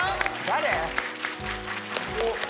誰？